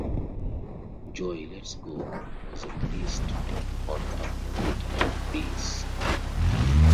"Joey, Let's Go" was released on a Monitor This!